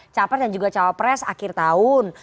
capres dan juga cawapres akhir tahun